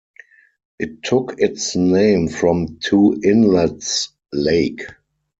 It took its name from Two Inlets Lake.